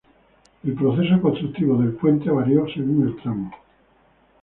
El proceso constructivo del puente varió según el tramo.